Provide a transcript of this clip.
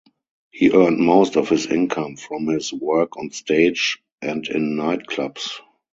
He earned most of his income from his work on stage and in nightclubs.